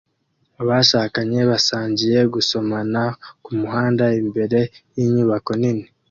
Abashakanye basangiye gusomana kumuhanda imbere yinyubako nini